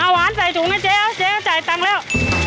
หวานใส่ถุงนะเจ๊เจ๊จ่ายตังค์แล้ว